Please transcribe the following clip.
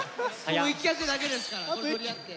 もう１脚だけですからそれ取り合って。